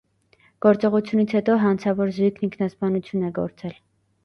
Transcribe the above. Գործողությունից հետո հանցավոր զույգն ինքնասպանություն է գործել։